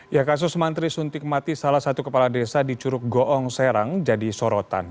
ya kasus mantri suntik mati salah satu kepala desa di curug goong serang jadi sorotan